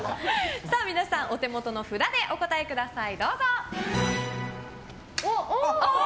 皆さん、お手元の札でお答えください。